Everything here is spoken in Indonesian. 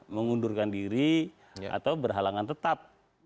mengundurkan diri atau berhalangan tetap